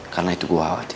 karena itu gue khawatir